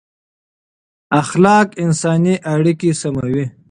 اخلاق انساني اړیکې سموي